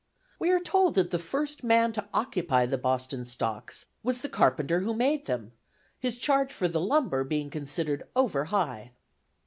We are told that the first man to occupy the Boston stocks was the carpenter who made them, his charge for the lumber used being considered over high.